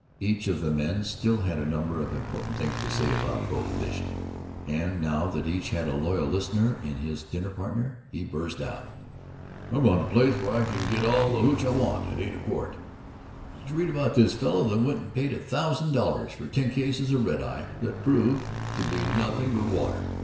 Each of the men still had a number of important things to say about prohibition, and now that each had a loyal listener in his dinner partner he burst out: "I found a place where I can get all the hootch I want at eight a quart " "Did you read about this fellow that went and paid a thousand dollars for ten cases of red eye that proved to be nothing but water?